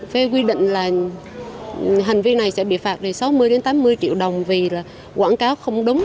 cái quy định là hành vi này sẽ bị phạt từ sáu mươi tám mươi triệu đồng vì là quảng cáo không đúng